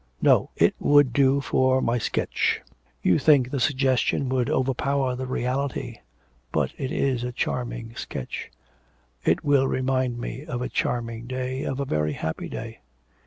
"' 'No, it would do for my sketch.' 'You think the suggestion would overpower the reality.... But it is a charming sketch. It will remind me of a charming day, of a very happy day.'